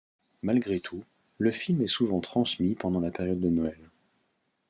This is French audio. Malgré tout, le film est souvent transmis pendant la période de Noël.